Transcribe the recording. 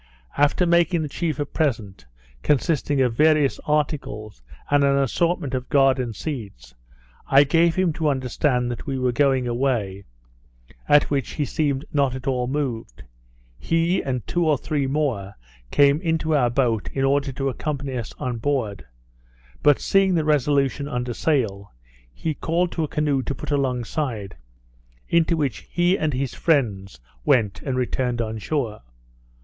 After making the chief a present, consisting of various articles, and an assortment of garden seeds, I gave him to understand that we were going away, at which he seemed not at all moved. He, and two or three more, came into our boat, in order to accompany us on board; but seeing the Resolution under sail, he called to a canoe to put alongside, into which he and his friends went, and returned on shore.